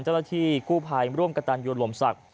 เจ้าหน้าที่กูพายร่วมกับตาร์ณโยงลมศรักทร์